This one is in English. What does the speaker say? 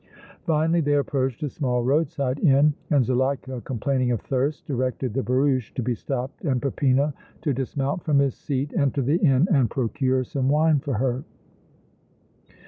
Finally they approached a small roadside inn and Zuleika, complaining of thirst, directed the barouche to be stopped and Peppino to dismount from his seat, enter the inn and procure some wine for her.